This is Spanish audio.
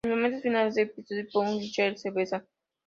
En los momentos finales del episodio, Puck y Shelby se besan.